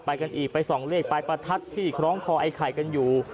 กันอีกไปส่องเลขปลายประทัดที่คล้องคอไอ้ไข่กันอยู่